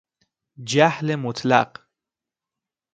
جهل مطلق